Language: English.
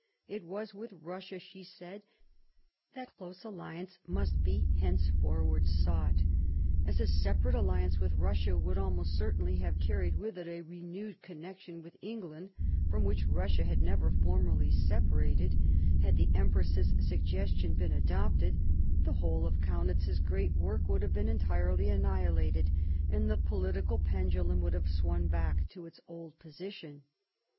It was with Russia, she said, that close alliance must be henceforward sought. As a separate alliance with Eussia would almost certainly have carried with it a renewed connection with England from which Russia had never formally separated, had the empress's suggestion been adopted, the whole of Kaunitz's great work would have been entirely annihilated, and the political pendulum would have swung back to its old position.